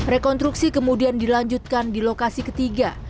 rekonstruksi kemudian dilanjutkan di lokasi ketiga